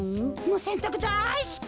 せんたくだいすき。